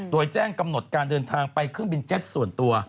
โดยแจ้งกำหนดการเดินทางไปเครื่องบินเจ็ตส่วนตัว